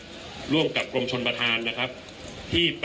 คุณผู้ชมไปฟังผู้ว่ารัฐกาลจังหวัดเชียงรายแถลงตอนนี้ค่ะ